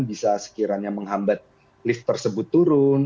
bisa sekiranya menghambat lift tersebut turun